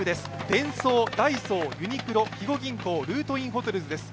デンソー、ダイソー、ユニクロ肥後銀行、ルートインホテルズです